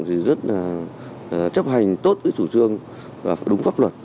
thì rất là chấp hành tốt cái chủ trương và đúng pháp luật